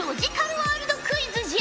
ワールドクイズじゃ！